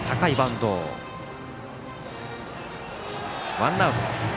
ワンアウト。